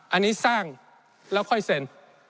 อันนี้สร้างแล้วค่อยเซ็น